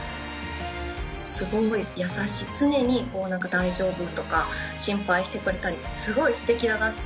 すごい優しい、常になんか大丈夫？とか、心配してくれたり、すごいすてきだなって。